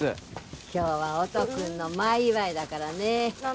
今日は音君の前祝いだからね何の？